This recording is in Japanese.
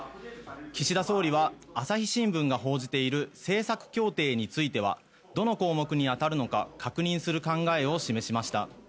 岸田総理は朝日新聞が報じている政策協定についてはどの項目に当たるのか確認する考えを示しました。